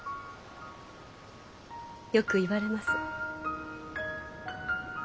よく言われます。